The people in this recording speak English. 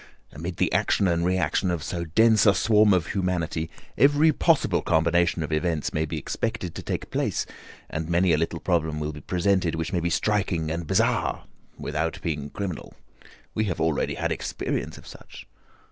Amid the action and reaction of so dense a swarm of humanity, every possible combination of events may be expected to take place, and many a little problem will be presented which may be striking and bizarre without being criminal. We have already had experience of such."